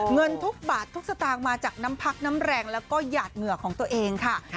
เงินทุกบาททุกสตางค์มาจากน้ำพักน้ำแรงแล้วก็หยาดเหงื่อของตัวเองค่ะ